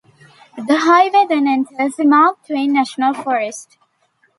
The highway then enters the Mark Twain National Forest.